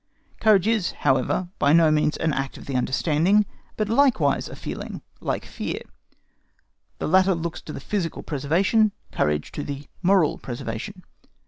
Courage is, however, by no means an act of the understanding, but likewise a feeling, like fear; the latter looks to the physical preservation, courage to the moral preservation.